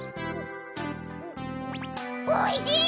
おいしい！